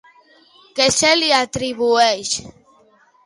Què se li atribueix?